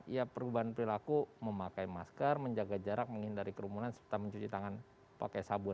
ya perubahan perilaku memakai masker menjaga jarak menghindari kerumunan serta mencuci tangan pakai sabun